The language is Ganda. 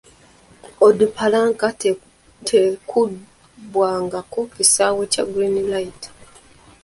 Onduparaka tekubwangako mu kisaawe kya Green Light.